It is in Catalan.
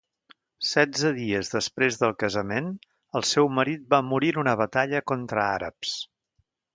Setze dies després del casament, el seu marit va morir en una batalla contra àrabs.